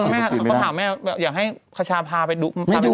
มาอาจจะถามแม่แบบอยากให้คัชภาพไปดู